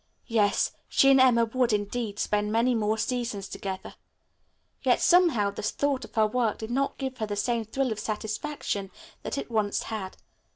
Yes, she and Emma would, indeed, spend many more seasons together. Yet, somehow, the thought of her work did not give her the same thrill of satisfaction that it once had.